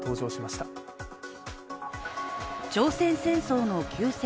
朝鮮戦争の休戦